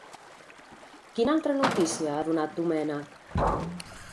Quina altra notícia ha donat Domènech?